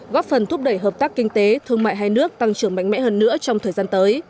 góp phần thúc đẩy hợp tác kinh tế thương mại hai nước tăng trưởng mạnh mẽ hơn nữa trong thời gian tới